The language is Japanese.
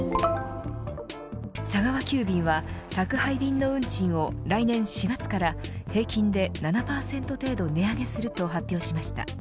佐川急便は宅配便の運賃を、来年４月から平均で７％程度値上げすると発表しました。